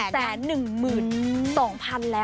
๒๐๐๐แล้วค่ะ